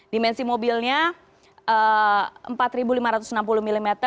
dimensi mobilnya empat lima ratus enam puluh mm